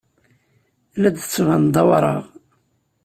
La d-tettbaneḍ d awraɣ.